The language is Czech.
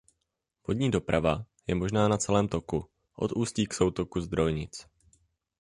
Vodní doprava je možná na celém toku od ústí k soutoku zdrojnic.